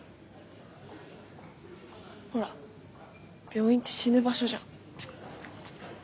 ほら病院って死ぬ場所じゃん。